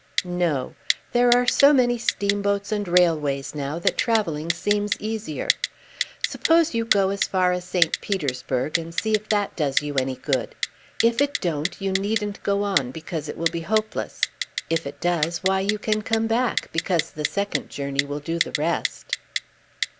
"No. There are so many steamboats and railways now that travelling seems easier. Suppose you go as far as St. Petersburg, and see if that does you any good. If it don't, you needn't go on, because it will be hopeless. If it does, why, you can come back, because the second journey will do the rest."